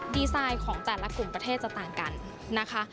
ไซต์ของแต่ละกลุ่มประเทศจะต่างกันนะคะ